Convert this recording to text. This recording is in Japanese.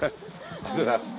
ありがとうございます。